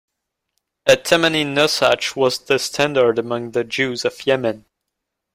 A "Temani" nosach was the standard among the Jews of Yemen.